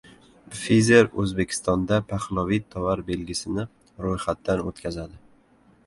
Pfizer O‘zbekistonda Paxlovid tovar belgisini ro‘yxatdan o‘tkazadi